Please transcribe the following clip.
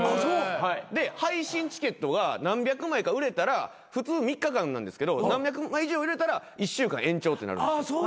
で配信チケットが何百枚か売れたら普通３日間なんですけど何百枚以上売れたら１週間延長ってなる。